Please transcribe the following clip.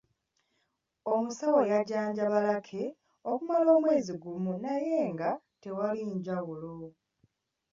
Omusawo yajjanjaba Lucky okumala omwezi gumu naye nga tewali njawulo.